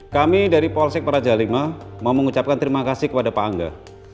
kami dari polsek praja v mau mengucapkan terima kasih kepada pak angga